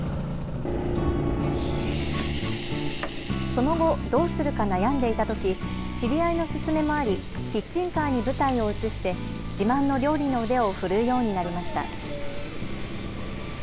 その後、どうするか悩んでいたとき、知り合いの勧めもありキッチンカーに舞台を移して自慢の料理の腕をふるうようになりました。